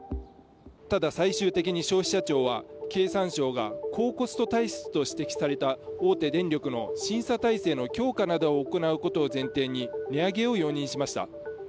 ただ、最終的に消費者庁は経産省が高コスト体質と指摘された大手電力の審査体制の強化などを行うことを前提に値上げを容認しました。